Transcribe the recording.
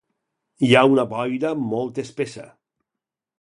Hi ha una boira molt espessa.